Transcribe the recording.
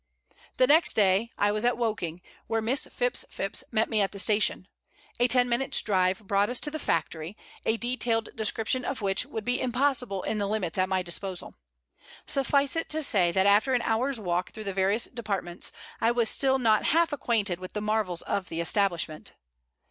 The next day I was at Woking, where Miss Phipps Phipps met me at the station. A ten minutes' drive brought us to the factory, a detailed description of which would be impossible in the limits at my disposal. Suffice it to say that after an hour's walk through the various departments I was still not half acquainted with the marvels of the establishment.